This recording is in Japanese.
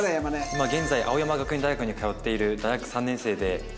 今現在青山学院大学に通っている大学３年生で。